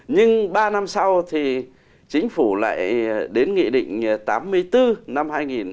nhưng ba năm sau thì chính phủ lại đến nghị định tám mươi bốn năm hai nghìn bảy